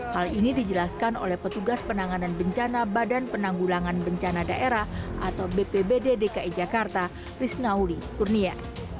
hal ini dijelaskan oleh petugas penanganan bencana badan penanggulangan bencana daerah atau bpbd dki jakarta risnauli kurnia